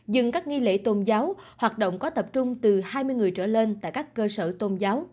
dừng các nghi lễ tôn giáo hoạt động có tập trung từ hai mươi người trở lên tại các cơ sở tôn giáo